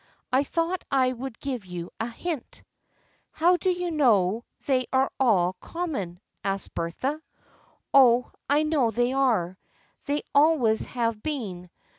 I thought I would give you a hint." "How do you know they are all common?" asked Bertha. " Oh, I know they are. They always have been.